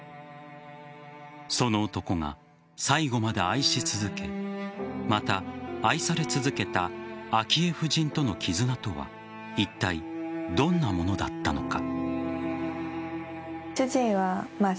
その男が最後まで愛し続けまた、愛され続けた昭恵夫人との絆とはいったいどんなものだったのか。